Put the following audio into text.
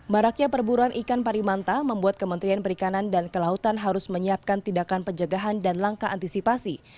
maraknya perburuan ikan parimanta membuat kementerian perikanan dan kelautan harus menyiapkan tindakan penjagaan dan langkah antisipasi